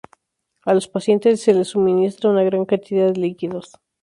A los pacientes se les suministra una gran cantidad de líquidos.